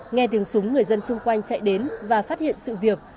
nghe tiếng súng người dân xung quanh chạy đến và phát hiện sự việc